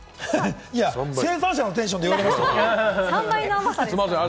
生産者のテンションで言われても。